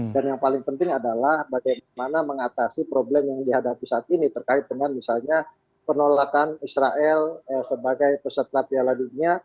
dan yang paling penting adalah bagaimana mengatasi problem yang dihadapi saat ini terkait dengan misalnya penolakan israel sebagai peserta piala dunia